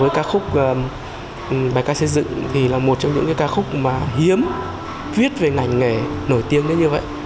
với ca khúc bài ca xây dựng thì là một trong những ca khúc mà hiếm viết về ngành nghề nổi tiếng đến như vậy